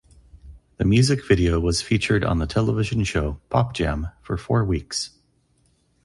The music video was featured on the television show "Pop Jam" for four weeks.